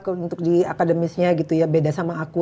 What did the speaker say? kalau untuk di akademisnya gitu ya beda sama aku